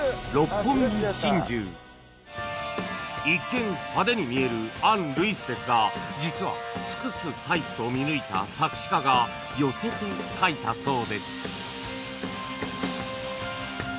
一見派手に見えるアン・ルイスですが実は尽くすタイプと見抜いた作詞家が寄せて書いたそうです